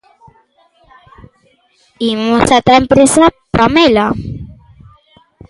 Imos ata a empresa, Pamela.